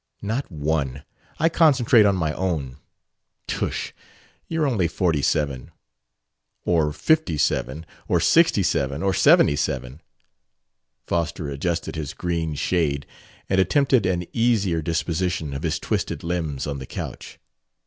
"Not one. I concentrate on my own. Tush, you're only forty seven." "Or fifty seven, or sixty seven, or seventy seven...." Foster adjusted his green shade and attempted an easier disposition of his twisted limbs on the couch.